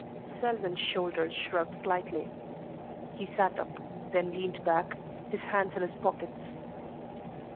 Selwyn's shoulders shrugged slightly. He sat up, then leaned back, his hands in his pockets.